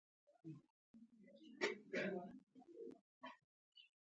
په حماسي شعرونو یې مسلمانان غزا ته هڅول.